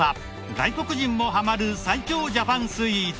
外国人もハマる最強ジャパンスイーツ